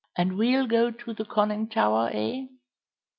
"And we'll go to the conning tower, eh?"